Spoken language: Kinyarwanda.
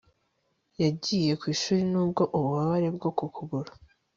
yagiye ku ishuri nubwo ububabare bwo ku kuguru